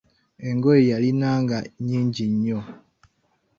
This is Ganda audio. Engoye yalinanga nnyingi nnyo.